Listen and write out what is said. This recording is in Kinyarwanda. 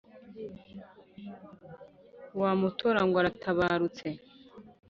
wa mutora ngo aratabarutse.